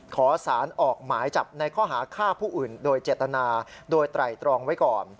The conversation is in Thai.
ขอสารออกหมายจับในข้อหาฆ่าผู้อื่นโดยเจตนาโดยไตรตรองไว้ก่อน